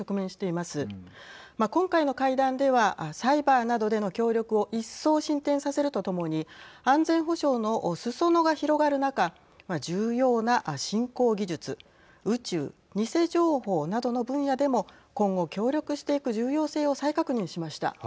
まあ、今回の会談ではサイバーなどでの協力を一層進展させるとともに安全保障のすそ野が広がる中重要な新興技術宇宙、偽情報などの分野でも今後、協力していく重要性を再確認しました。